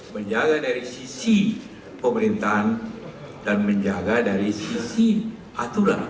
menjaga dari sisi pemerintahan dan menjaga dari sisi aturan